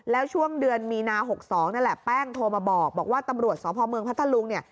แล้วช่วงเดือนมีนา๖๒นั่นแหละแป้งโทรมาบอกว่าตำรวจสพเมืองพัทธลุงเนี่ย